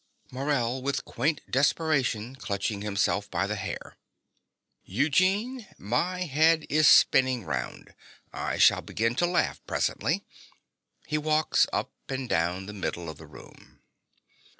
MORELL (with quaint desperation, clutching himself by the hair). Eugene: my head is spinning round. I shall begin to laugh presently. (He walks up and down the middle of the room.)